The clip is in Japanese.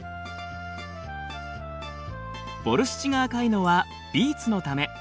ボルシチが赤いのはビーツのため。